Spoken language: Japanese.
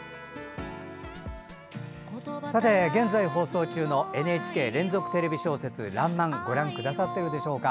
現在放送中のＮＨＫ連続テレビ小説「らんまん」ご覧くださっているでしょうか？